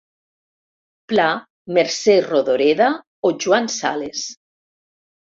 Pla, Mercè Rodoreda o Joan Sales.